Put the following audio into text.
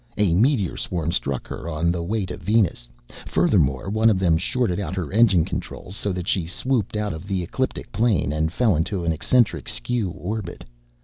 A meteor swarm struck her on the way to Venus. Furthermore, one of them shorted out her engine controls, so that she swooped out of the ecliptic plane and fell into an eccentric skew orbit.